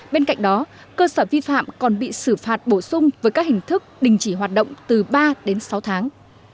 bên cạnh đó cơ sở vi phạm còn bị xử phạt bổ sung với các hình thức đình chỉ hoạt động từ ba đến sáu tháng